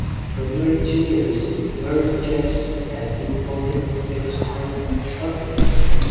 For nearly two years, Warren Jeffs had been wanted on sex-crimes charges.